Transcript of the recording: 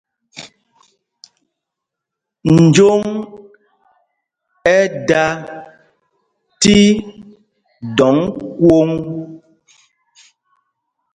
Njóŋ ɛ́ dā tí dɔ̌ŋ kwōŋ.